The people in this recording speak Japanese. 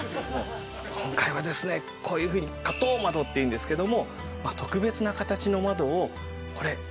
今回はですねこういうふうに花頭窓っていうんですけども特別な形の窓をこれゴージャスなんですよ。